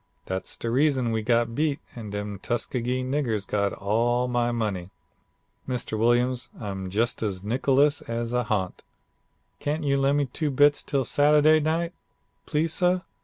Dat's de reason we got beat and dem Tuskegee niggers got all my money. Mr. Williams, I'm jus' as nickless as a ha'nt. Can't you lem' me two bits til' Sadday night, please suh?